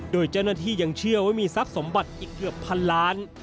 โดยเจ้าหน้าที่ยังเชื่อว่ามีทรัพย์สมบัติอีกเกือบพันล้าน